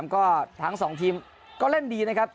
ก็ทั้งสองทีมก็เล่นดีนะครับ